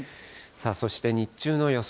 そして、日中の予想